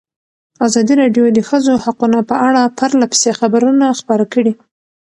ازادي راډیو د د ښځو حقونه په اړه پرله پسې خبرونه خپاره کړي.